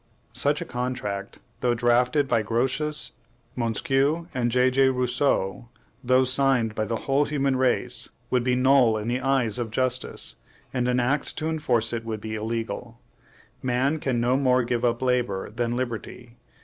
Such a contract, though drafted by Grotius, Montesquieu, and J. J. Rousseau, though signed by the whole human race, would be null in the eyes of justice, and an act to enforce it would be illegal. Man can no more give up labor than liberty.